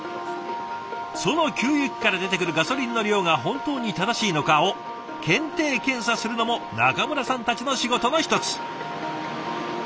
その給油機から出てくるガソリンの量が本当に正しいのかを検定検査するのも中村さんたちの仕事の一つ。